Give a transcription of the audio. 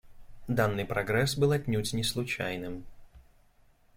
Данный прогресс был отнюдь не случайным.